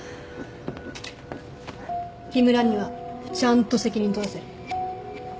木村にはちゃんと責任取らせる。